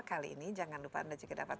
kali ini jangan lupa anda juga dapat